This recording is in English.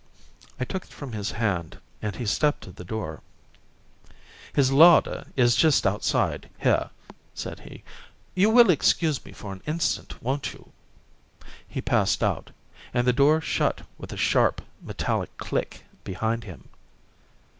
I took it from his hand and he stepped to the door. "His larder is just outside here," said he. "You will excuse me for an instant won't you?" He passed out, and the door shut with a sharp metallic click behind him.